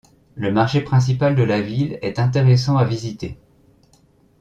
Le marché principal de la ville est intéressant à visiter.